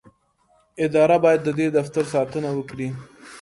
اداره باید د دې دفتر ساتنه وکړي.